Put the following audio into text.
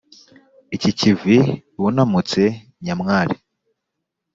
Iki kivi wunamutse nyamwari